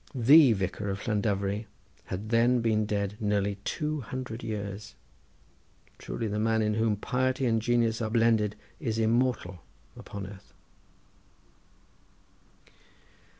The Vicar of Llandovery had then been dead nearly two hundred years. Truly the man in whom piety and genius are blended is immortal upon earth.